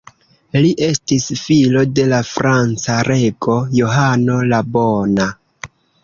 Li estis filo de la franca rego Johano la Bona.